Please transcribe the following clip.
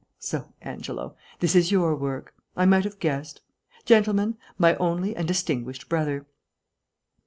So, Angelo, this is your work. I might have guessed. Gentlemen, my only and distinguished brother."